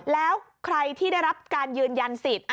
แล้วใครที่ได้รับการยืนยันสิทธิ์